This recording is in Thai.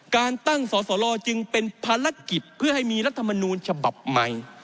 การตั้งสอสลจึงเป็นภารกิจเพื่อให้มีรัฐมนูลฉบับใหม่